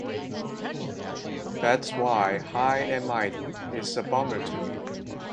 That's why 'High and Mighty' is a bummer to me.